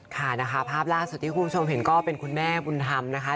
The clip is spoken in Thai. ค่ะนะคะภาพล่าสุดที่คุณผู้ชมเห็นก็เป็นคุณแม่บุญธรรมนะคะ